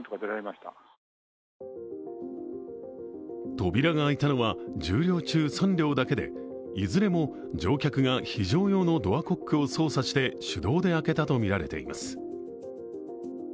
扉が開いたのは１０両中、３両だけでいずれも乗客が非常用のドアコックを捜査して手動で開けたとみられています。